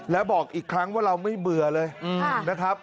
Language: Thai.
แล้วบอกอีกครั้งว่าเราไม่เบื่อเลยนะครับ